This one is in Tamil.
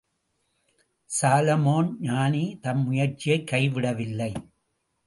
சாலமோன் ஞானி தம் முயற்சியைக் கை விடவில்லை.